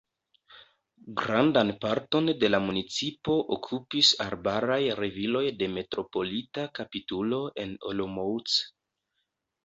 Grandan parton de la municipo okupis arbaraj reviroj de Metropolita kapitulo en Olomouc.